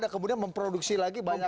dan kemudian memproduksi lagi banyak